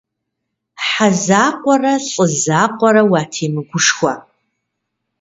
Хьэ закъуэрэ, лӏы закъуэрэ уатемыгушхуэ.